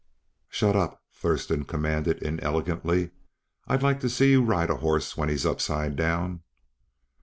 "Shut up!" Thurston commanded inelegantly. "I'd like to see you ride a horse when he's upside down!"